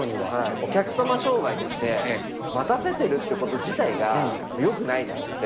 お客様商売として、待たせてるってこと自体がよくないって思って。